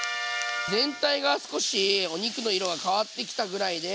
全体が少しお肉の色が変わってきたぐらいで。